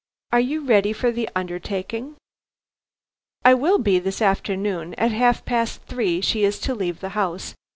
Are you ready for the undertaking?" "I will be this afternoon. At half past three she is to leave the house.